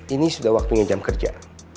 ini sudah waktunya jam kerja